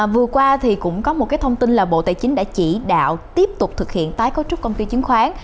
vừa qua thì cũng có một cái thông tin là bộ tài chính đã chỉ đạo tiếp tục thực hiện tái cấu trúc công ty chứng khoán